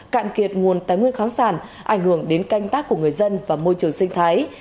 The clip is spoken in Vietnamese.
cạn kiệt nguồn tái nguyên khoáng sản ảnh hưởng đến canh tác của người dân và môi trường sinh thái